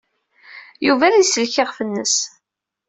Yuba ad isellek iɣef-nnes.